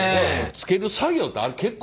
つける作業って結構ね。